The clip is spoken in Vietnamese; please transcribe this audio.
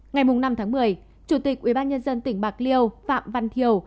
ngày năm tháng một mươi chủ tịch ubnd tỉnh bạc liêu phạm văn thiều